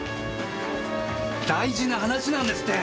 大事な話なんですって！